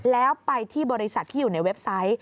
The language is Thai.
แล้วไปที่บริษัทที่อยู่ในเว็บไซต์